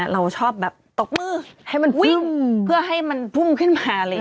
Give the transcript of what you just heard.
เราชอบตกมือให้มันฟึ้งเพื่อให้มันฟึ้งขึ้นมา